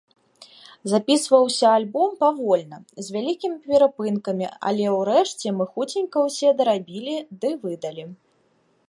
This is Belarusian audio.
Запісваўся альбом павольна, з вялікімі перапынкамі, але ўрэшце мы хуценька ўсё дарабілі ды выдалі.